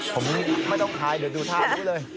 ผมไม่ต้องถ่ายเดี๋ยวดูธาตุดูเลย